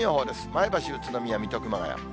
前橋、宇都宮、水戸、熊谷。